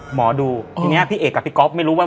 หมอดูทีนี้พี่เอกกับพี่ก๊อฟไม่รู้ว่า